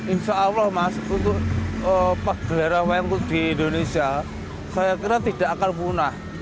insya allah mas untuk pak gelera wayang kudu indonesia saya kira tidak akan punah